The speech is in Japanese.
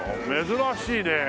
珍しいねえ。